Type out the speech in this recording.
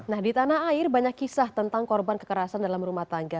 nah di tanah air banyak kisah tentang korban kekerasan dalam rumah tangga